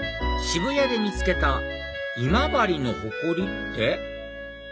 渋谷で見つけた「今治のホコリ」って？